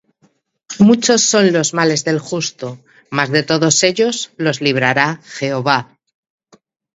Muchos son los males del justo; Mas de todos ellos lo librará Jehová.